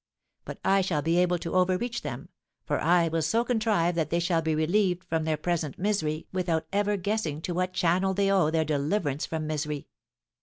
But I shall be able to overreach them, for I will so contrive that they shall be relieved from their present misery without ever guessing to what channel they owe their deliverance from misery.